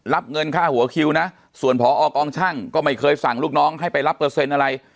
รับเงินค่าหัวคิวนะส่วนผอกองช่างก็ไม่เคยสั่งลูกน้องให้ไปรับเปอร์เซ็นต์อะไร